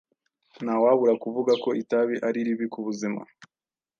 Ntawabura kuvuga ko itabi ari ribi kubuzima.